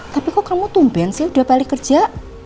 tapi kok kamu tumben sih udah balik kerja